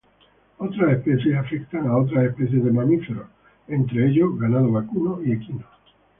Otras especies afectan a otras especies de mamíferos, entre ellos ganado vacuno y equino.